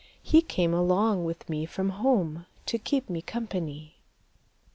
He came along with me from home To keep me company.